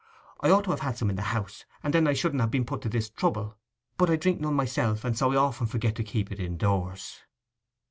I ought to have had some in the house, and then I shouldn't ha' been put to this trouble; but I drink none myself, and so I often forget to keep it indoors.